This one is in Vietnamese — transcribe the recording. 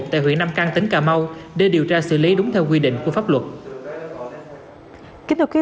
tại huyện nam căn tỉnh cà mau để điều tra xử lý đúng theo quy định của pháp luật